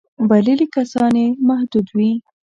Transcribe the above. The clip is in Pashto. بللي کسان یې محدود وي.